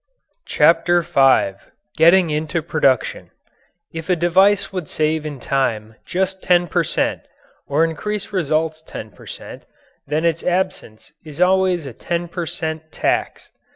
CHAPTER V GETTING INTO PRODUCTION If a device would save in time just 10 per cent. or increase results 10 per cent., then its absence is always a 10 per cent. tax.